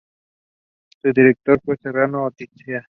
Su director fue Serrano Oteiza.